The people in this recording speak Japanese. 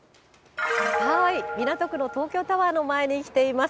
港区の東京タワーの前に来ています。